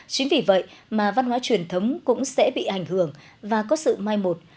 chính vì vậy mà văn hóa truyền thống cũng sẽ bị ảnh hưởng và có sự mai một